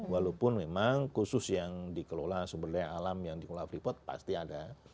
walaupun memang khusus yang dikelola sumber daya alam yang dikelola freeport pasti ada